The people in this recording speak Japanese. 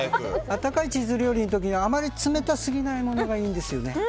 温かいチーズ料理の時はあまり冷たすぎないものがいいんですよね。